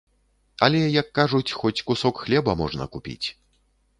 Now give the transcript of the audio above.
Але, як кажуць, хоць кусок хлеба можна купіць.